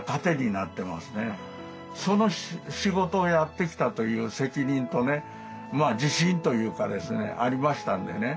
その仕事をやってきたという責任とね自信というかですねありましたんでね